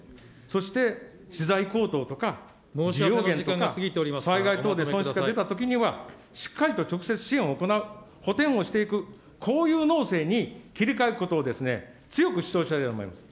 そして、資材高騰とか災害等で損失が出たときには、しっかりと直接支援を行う、補填をしていく、こういう農政に切り替えることを、強く主張したいと思います。